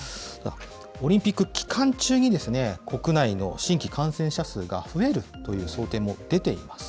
オリンピック期間中に国内の新規感染者数が増えるという想定も出ています。